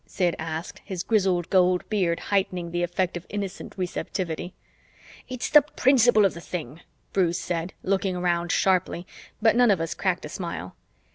Sid asked, his grizzled gold beard heightening the effect of innocent receptivity. "It's the principle of the thing," Bruce said, looking around sharply, but none of us cracked a smile.